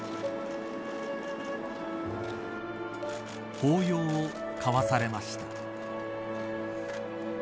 抱擁を交わされました。